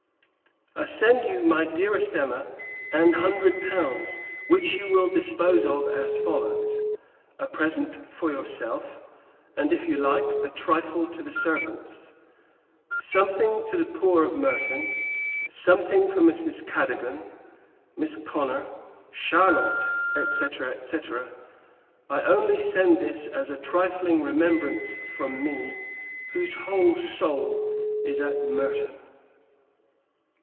I send you, my dearest Emma, an hundred pounds, which you will dispose of as follows a present for yourself; and, if you like, a trifle to the servants: something to the poor of Merton; something for Mrs. Cadogan, Miss Connor, Charlotte, &c. &c. I only send this as a trifling remembrance from me, whose whole soul is at Merton.